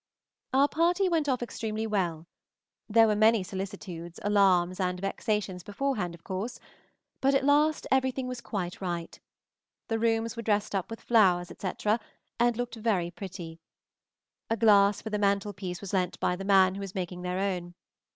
Our party went off extremely well. There were many solicitudes, alarms, and vexations beforehand, of course, but at last everything was quite right. The rooms were dressed up with flowers, etc., and looked very pretty. A glass for the mantelpiece was lent by the man who is making their own.